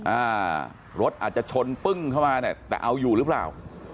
อ่ารถอาจจะชนปึ้งเข้ามาเนี่ยแต่เอาอยู่หรือเปล่า